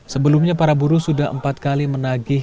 sebelumnya para buruh sudah empat kali menagih